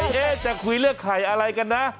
ตกใจเอ๊จะคุยเรื่องไข่อะไรกันนะ